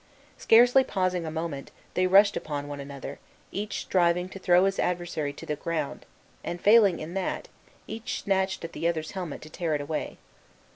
Scarcely pausing a moment, they rushed upon one another, each striving to throw his adversary to the ground, and failing in that, each snatched at the other's helmet to tear it away.